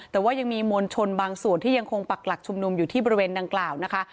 แต่ว่ายังมีมวลชนบางส่วนที่ยังคงปักหลักชุมนุมอยู่ที่บริเวณดังกล่าวนะคะ